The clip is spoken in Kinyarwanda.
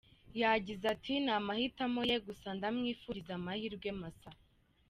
Yagize ati “Ni amahitamo ye, gusa ndamwifuriza amahirwe masa.